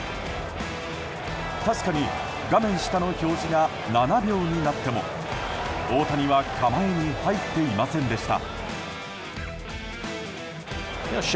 確かに、画面下の表示が７秒になっても大谷は構えに入っていませんでした。